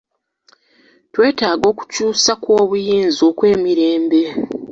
Twetaaga okukyusa kw'obuyinza okw'emirembe.